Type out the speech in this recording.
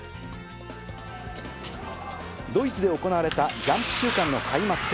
ドイツで行われたジャンプ週間の開幕戦。